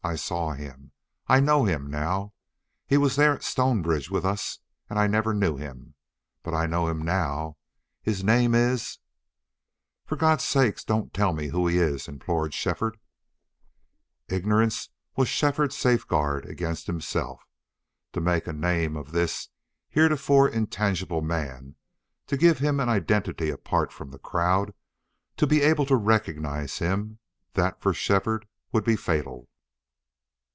I saw it. I know him now. He was there at Stonebridge with us, and I never knew him. But I know him now. His name is " "For God's sake don't tell me who he is!" implored Shefford. Ignorance was Shefford's safeguard against himself. To make a name of this heretofore intangible man, to give him an identity apart from the crowd, to be able to recognize him that for Shefford would be fatal.